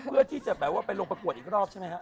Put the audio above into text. เพื่อที่จะแบบว่าไปลงประกวดอีกรอบใช่ไหมฮะ